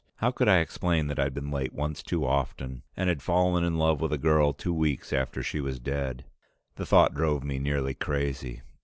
How could I explain that I'd been late once too often, and had fallen in love with a girl two weeks after she was dead? The thought drove me nearly crazy.